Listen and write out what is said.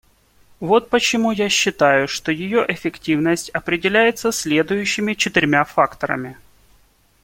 Вот почему я считаю, что ее эффективность определяется следующими четырьмя факторами.